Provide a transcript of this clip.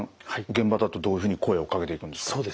現場だとどういうふうに声をかけていくんですか？